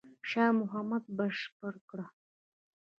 شاه محمود بشپړ کړ.